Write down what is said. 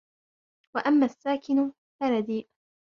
وَأَمَّا السَّاكِنُ فَرَدِيءٌ